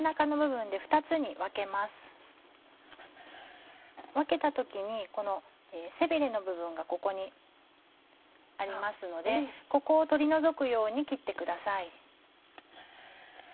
分けた時にこの背びれの部分がここにありますのでここを取り除くように切ってください。